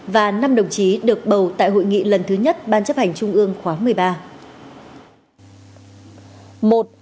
và năm đồng chí được bầu tại hội nghị lần thứ nhất ban chấp hành trung ương khóa một mươi ba